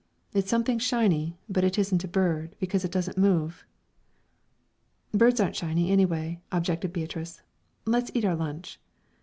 It's something shiny, but it isn't a bird, because it doesn't move." "Birds aren't shiny, anyway," objected Beatrice. "Let's eat our lunch."